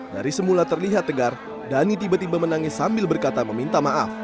dari semula terlihat tegar dhani tiba tiba menangis sambil berkata meminta maaf